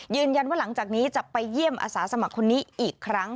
หลังจากนี้จะไปเยี่ยมอาสาสมัครคนนี้อีกครั้ง